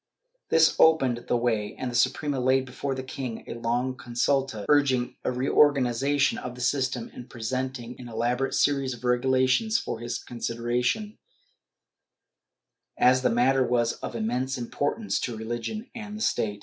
This opened the way, and the Suprema laid before the king a long consulta, iirging a reorganization of the system and presenting an elaborate series of regulations for his consideration, as the matter was of immense importance to religion and the state.